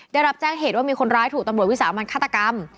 ได้รับแจ้งเหตุว่ามีคนร้ายถูกตำรวจวิสามันฆาตกรรม